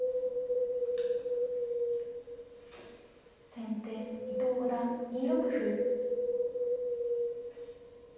先手伊藤五段２六歩。